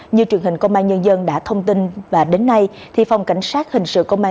như truyền hình công an nhân dân đã thông tin và đến nay thì phòng cảnh sát hình sự công an